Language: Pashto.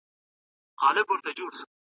په سپورږمۍ كي زما پـيـر دئ